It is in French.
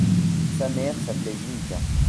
Sa mère s’appelait Zinca.